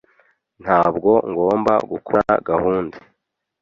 Ntabwo ngomba gukora gahunda.